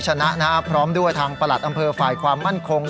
ชนะนะครับพร้อมด้วยทางประหลัดอำเภอฝ่ายความมั่นคง